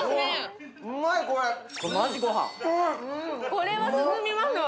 これは進みますわ。